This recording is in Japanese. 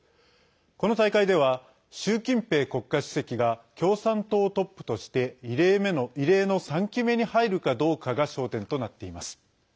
この大会では習近平国家主席が共産党トップとして異例の３期目に入るかどうかが焦点となっています。